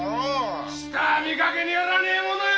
人は見かけによらぬものよ！